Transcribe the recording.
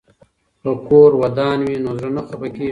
که کور ودان وي نو زړه نه خفه کیږي.